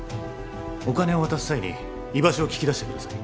お金を渡す際に居場所を聞き出してください